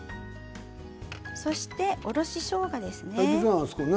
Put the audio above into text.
そして、おろししょうがですね。